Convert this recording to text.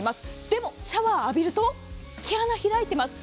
でもシャワーを浴びると毛穴が開いています。